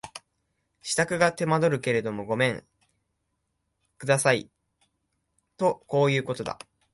支度が手間取るけれどもごめん下さいとこういうことだ